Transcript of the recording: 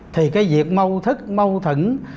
thì cái việc mâu thức mâu thẫn